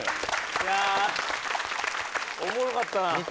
いやおもろかったな